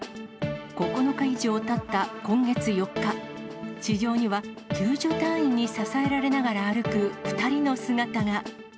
９日以上たった今月４日、地上には救助隊員に支えられながら歩く２人の姿が。